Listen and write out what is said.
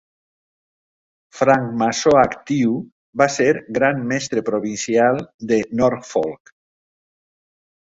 Francmaçó actiu, va ser Gran Mestre Provincial de Norfolk.